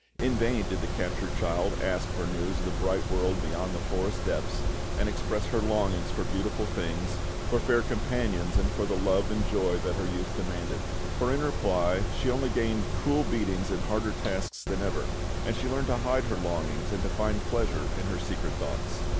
In vain did the captured child ask for news of the bright world beyond the forest depths, and express her longings for beautiful things, for fair companions, and for the love and joy that her youth demanded; for, in reply, she only gained cruel beatings and harder tasks than ever, and she learned to hide her longings and to find pleasure in her secret thoughts.